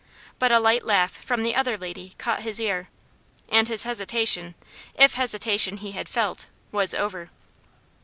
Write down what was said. But a light laugh from the other lady caught his ear, and his hesitation if hesitation he had felt was over.